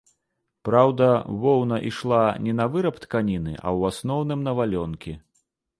Праўда, воўна ішла не на выраб тканіны, а ў асноўным на валёнкі.